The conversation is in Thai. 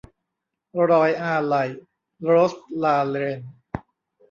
รอยอาลัย - โรสลาเรน